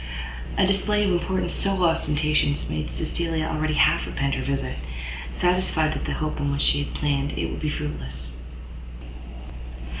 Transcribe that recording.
A display of importance so ostentatious made Cecilia already half repent her visit, satisfied that the hope in which she had planned it would be fruitless.